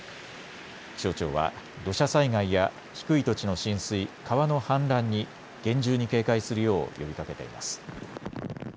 気象庁は土砂災害や低い土地の浸水、川の氾濫に厳重に警戒するよう呼びかけています。